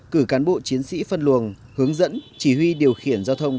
cử cán bộ chiến sĩ phân luồng hướng dẫn chỉ huy điều khiển giao thông